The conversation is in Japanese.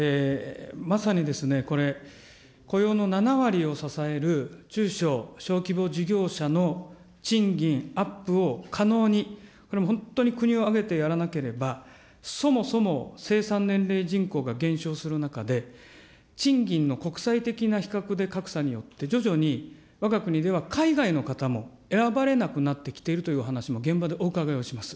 まさにこれ、雇用の７割を支える中小・小規模事業者の賃金アップを可能に、これもう本当に国を挙げてやらなければ、そもそも生産年齢人口が減少する中で、賃金の国際的な比較で格差によって、徐々にわが国では海外の方も選ばれなくなってきているという話も現場でお伺いをします。